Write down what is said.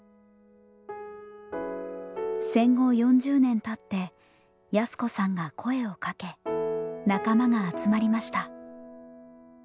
戦後４０年たって安子さんが声をかけ仲間が集まりました。